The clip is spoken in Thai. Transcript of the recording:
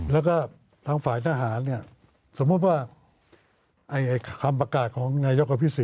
แล้วก็ทางฝ่ายหน้าหารสมมุติว่าคำประกาศของงายกปฤษฐ